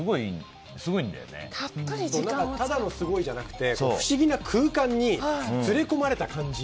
ただのすごいじゃなくて不思議な空間に連れ込まれた感じ。